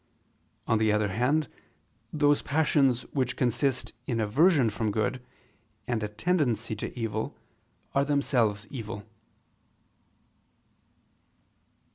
On the other hand, those passions which consist in aversion from good, and a tendency to evil, are themselves evil.